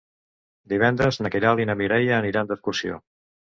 Divendres na Queralt i na Mireia aniran d'excursió.